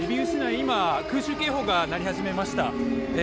今、空襲警報が鳴り始めました。